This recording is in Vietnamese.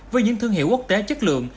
với những thương hiệu quốc tế chất lượng